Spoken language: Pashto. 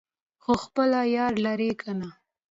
خو خپل يار لره کنه